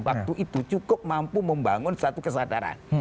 waktu itu cukup mampu membangun satu kesadaran